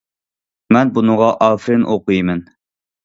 مەن بۇنىڭغا ئاپىرىن ئوقۇيمەن.